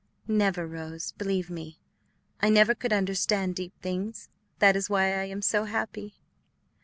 "Never, Rose; believe me, I never could understand deep things; that is why I am so happy."